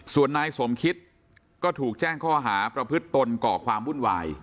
ส่วนนายสมคิตก็ถูกแจ้งข้อหาประพฤติตนก่อความวุ่นวาย